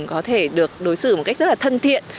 có thể được đối xử một cách rất là thân thiện